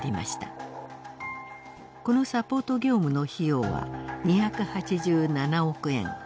このサポート業務の費用は２８７億円。